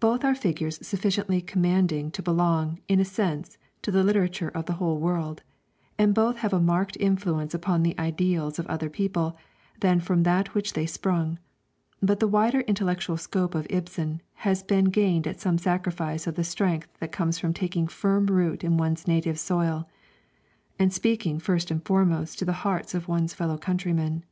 Both are figures sufficiently commanding to belong, in a sense, to the literature of the whole world, and both have had a marked influence upon the ideals of other peoples than that from which they sprung; but the wider intellectual scope of Ibsen has been gained at some sacrifice of the strength that comes from taking firm root in one's native soil, and speaking first and foremost to the hearts of one's fellow countrymen.